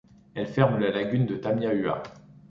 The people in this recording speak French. Elle ferme la lagune de Tamiahua.